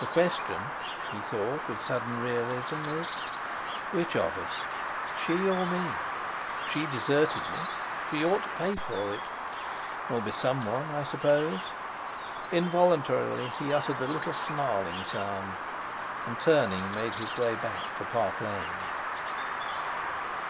"The question," he thought with sudden realism, "is—which of us? She or me? She deserted me. She ought to pay for it. There'll be someone, I suppose." Involuntarily he uttered a little snarling sound, and, turning, made his way back to Park Lane.